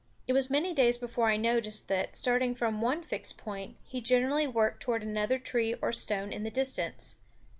It was many days before I noticed that, starting from one fixed point, he generally worked toward another tree or stone in the distance.